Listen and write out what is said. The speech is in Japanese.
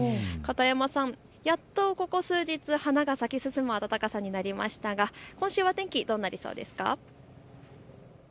片山さん、やっとここ数日、花が咲き進む暖かさになりましたが今週は天気どうなりそうですか。